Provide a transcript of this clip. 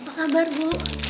apa kabar bu